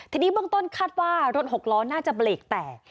ทีนี้เบื้องต้นคาดว่ารถหกล้อน่าจะเบรกแตก